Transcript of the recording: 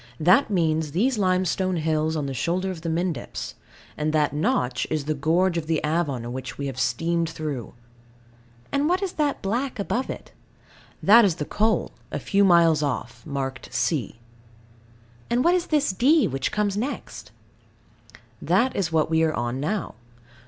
That means these limestone hills on the shoulder of the Mendips; and that notch is the gorge of the Avon which we have steamed through. And what is that black above it? That is the coal, a few miles off, marked C. And what is this D, which comes next? That is what we are on now.